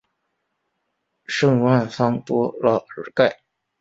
圣万桑多拉尔盖。